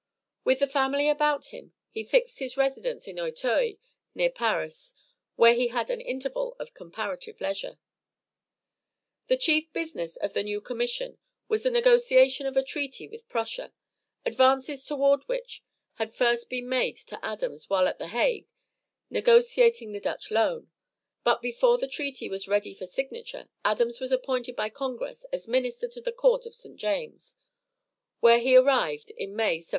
With his family about him he fixed his residence at Auteuil, near Paris, where he had an interval of comparative leisure. The chief business of the new commission was the negotiation of a treaty with Prussia, advances toward which had first been made to Adams while at the Hague negotiating the Dutch loan, but before that treaty was ready for signature Adams was appointed by congress as Minister to the court of St. James, where he arrived in May, 1785.